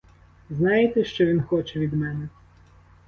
Знаєте, що він хоче від мене?